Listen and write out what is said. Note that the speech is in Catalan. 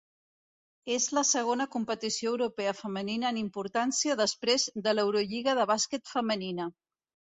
És la segona competició europea femenina en importància després de l'Eurolliga de bàsquet femenina.